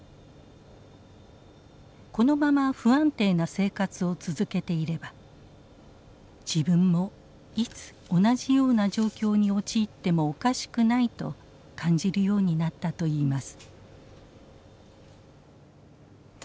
このまま不安定な生活を続けていれば「自分もいつ同じような状況に陥ってもおかしくない」と感じるようになったといいます。